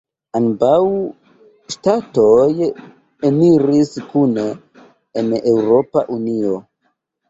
Ambaŭ ŝtatoj eniris kune en Eŭropa Unio.